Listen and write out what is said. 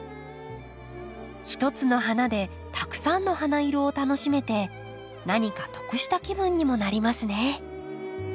一つの花でたくさんの花色を楽しめて何か得した気分にもなりますね。